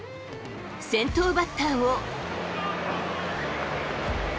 先頭バッターを。